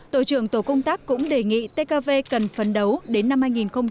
tổ trưởng tổ công tác cũng đề nghị tkv cần phấn đấu đến năm hai nghìn hai mươi